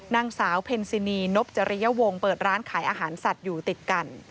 นางสาวเพ็ญซินีนพจริยวงเปิดร้านขายอาหารสัตว์อยู่ติดกัน